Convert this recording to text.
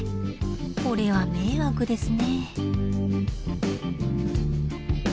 これは迷惑ですね。